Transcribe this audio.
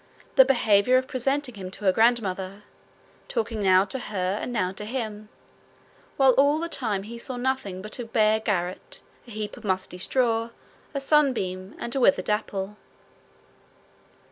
the behaviour of presenting him to her grandmother, talking now to her and now to him, while all the time he saw nothing but a bare garret, a heap of musty straw, a sunbeam, and a withered apple.